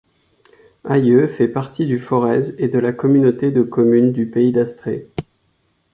Ailleux fait partie du Forez et de la communauté de communes du Pays d'Astrée.